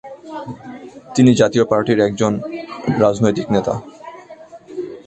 তিনি জাতীয় পাটি এর একজন রাজনৈতিক নেতা।